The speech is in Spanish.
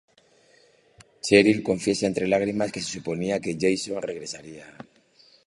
Cheryl confiesa entre lágrimas que se suponía que Jason regresaría.